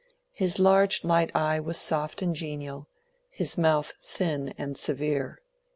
His large, light eye was soft and genial, his mouth thin and severe.